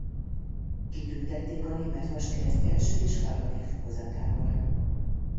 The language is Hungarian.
Kitüntették a német Vaskereszt első és harmadik fokozatával.